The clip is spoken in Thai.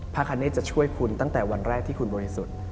คณิตจะช่วยคุณตั้งแต่วันแรกที่คุณบริสุทธิ์